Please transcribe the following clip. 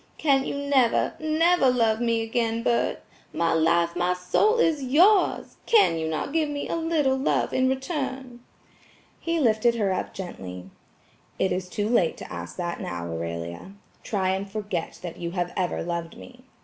"Can you never, NEVER love me again, Bert? My life, my soul is yours! Can you not give me a little love in return?" He lifted her up gently. "It is too late to ask that now, Aurelia. Try and forget that you have ever loved me.